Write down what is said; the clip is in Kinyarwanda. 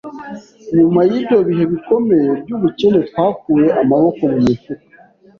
Nyuma y’ibyo bihe bikomeye by’ubukene, twakuye amaboko mu mifuka,